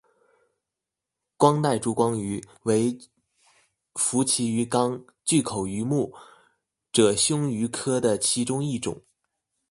光带烛光鱼为辐鳍鱼纲巨口鱼目褶胸鱼科的其中一种。